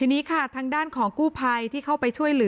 พี่สาวต้องเอาอาหารที่เหลืออยู่ในบ้านมาทำให้เจ้าหน้าที่เข้ามาช่วยเหลือ